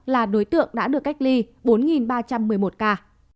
là đối tượng đã được cách ly bốn ba trăm một mươi một ca